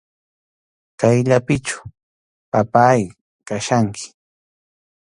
Kayllapichu, papáy, kachkanki.